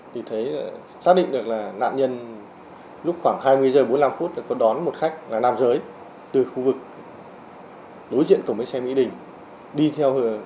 thì thấy xác định được là nạn nhân lúc khoảng hai mươi giờ bốn mươi năm phút có đón một khách là nam giới từ khu vực đối diện cổng bến xe mỹ đình